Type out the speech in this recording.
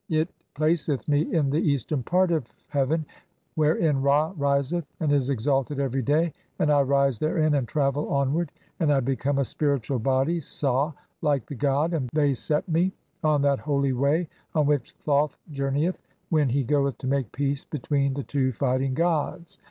It "placeth me (5) in [the eastern part of heaven wherein Ra riseth "and is exalted every day ; and I rise therein and travel onward, "and I become a spiritual body (salt) like the god, and they "set me] z (6) on that holy way on which Thoth journeyeth when "he goeth to make peace between the two Fighting gods